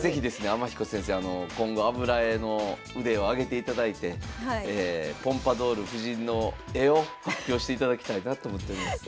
天彦先生今後油絵の腕を上げていただいてポンパドール夫人の絵を発表していただきたいなと思っております。